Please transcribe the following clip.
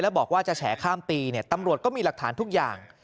บอกว่าจะแฉข้ามปีตำรวจก็มีหลักฐานทุกอย่าง